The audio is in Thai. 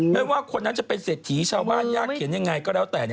ไม่ว่าคนนั้นจะเป็นเศรษฐีชาวบ้านยากเขียนยังไงก็แล้วแต่